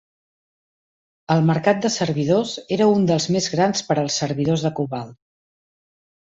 El mercat de servidors era un dels més grans per als servidors de Cobalt.